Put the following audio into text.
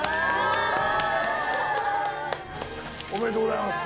おめでとうございます。